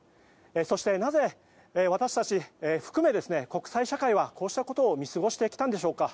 そして、なぜ私たち含め国際社会はこうしたことを見過ごしてきたのでしょうか。